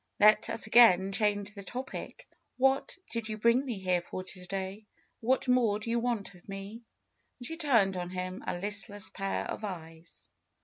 Let us again change the topic. What did you bring me here for to day? What more do you want of me?" And she turned on him a listless pair of eyes.